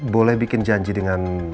boleh bikin janji dengan